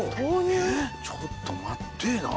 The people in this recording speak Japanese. ちょっと待ってえな。